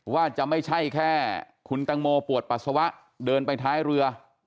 ว่าจะไม่ใช่แค่คุณตังโมปวดปัสสาวะเดินไปท้ายเรือ